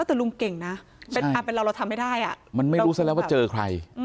แต่ลุงเก่งนะเป็นเราเราทำไม่ได้อ่ะมันไม่รู้ซะแล้วว่าเจอใคร